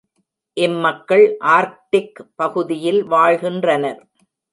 இம் மக்கள் ஆர்க்டிக் பகுதியில் வாழ்கின்றனர்.